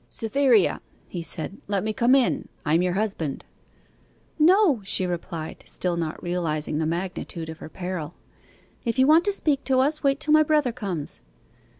'Cytherea,' he said, 'let me come in: I am your husband.' 'No,' she replied, still not realizing the magnitude of her peril. 'If you want to speak to us, wait till my brother comes.